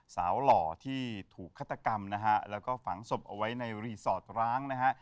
สาวหล่อที่ถูกฐะกรรมก็ฝังสบเอาไว้ในรีสอร์ตร้าง